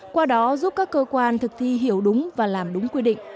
qua đó giúp các cơ quan thực thi hiểu đúng